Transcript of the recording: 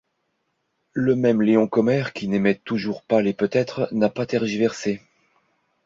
Le même Léon Kommer, qui n'aimait toujours pas les peut-être, n'a pas tergiversé.